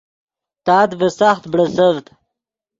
تات ڤے ساخت بڑیڅڤد